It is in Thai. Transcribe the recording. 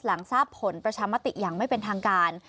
หลังทราบผลประชามติอย่างไม่เป็นทางการ